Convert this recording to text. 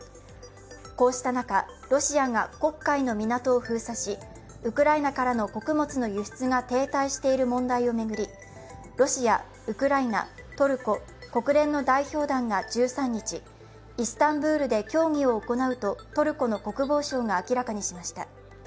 こうした中、ロシアが黒海の港を封鎖し、ウクライナからの穀物の輸出が停滞している問題を巡り、ロシア、ウクライナ、トルコ、国連の代表団が１３日、イスタンブールで協議を行うと、トルコの国防相が明らかにしました。